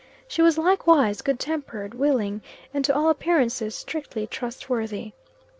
She was, likewise, good tempered, willing, and to all appearances strictly trust worthy.